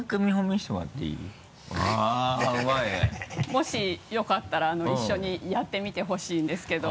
もしよかったら一緒にやってみてほしいんですけど。